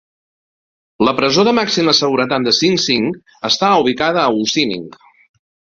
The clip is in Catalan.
La presó de màxima seguretat de Sing Sing està ubicada a Ossining.